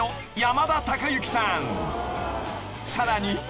［さらに］